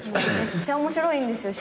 めっちゃ面白いんですよ